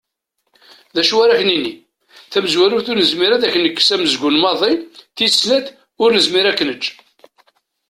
D acu ara ak-nini? Tamezwarut, ur nezmir ad ak-nekkes anezgum maḍi, tis snat, ur nezmir ad k-neǧǧ.